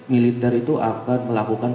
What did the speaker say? militer itu akan melakukan